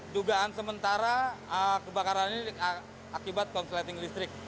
dugaan sementara kebakaran ini akibat konsleting listrik